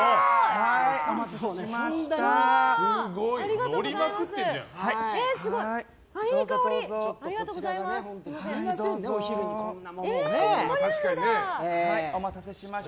ありがとうございます！